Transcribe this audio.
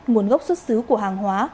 nguồn gốc xuất xứ của hàng hóa